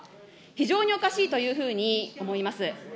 非常におかしいというふうに思います。